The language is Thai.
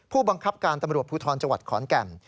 ผู้บังคับการตำรวจภูทรจังหวัดขอนแก่น